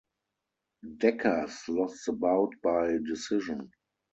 Dekkers lost the bout by decision.